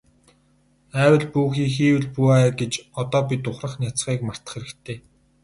АЙвал бүү хий, хийвэл бүү ай гэж одоо бид ухрах няцахыг мартах хэрэгтэй.